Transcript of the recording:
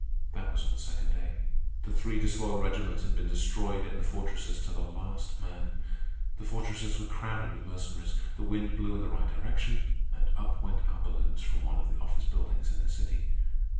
That was on the second day. The three disloyal regiments had been destroyed in the fortresses to the last man. The fortresses were crowded with Mercenaries, the wind blew in the right direction, and up went our balloons from one of the office buildings in the city.